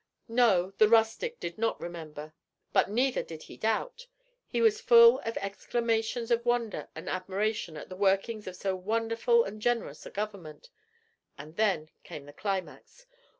No, the rustic did not remember, but neither did he doubt. He was full of exclamations of wonder and admiration at the workings of so wonderful and generous a Government; and then came the climax.